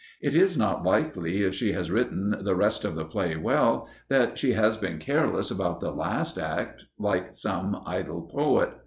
It is not likely, if she has written the rest of the play well, that she has been careless about the last act like some idle poet.